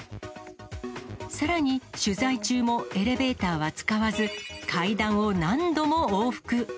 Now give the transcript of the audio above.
さらに取材中もエレベーターは使わず、階段を何度も往復。